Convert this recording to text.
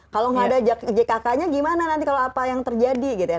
kalau nggak ada jkk nya gimana nanti kalau apa yang terjadi gitu ya